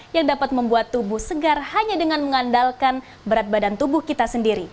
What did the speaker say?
yang dapat membuat tubuh segar hanya dengan mengandalkan berat badan tubuh kita sendiri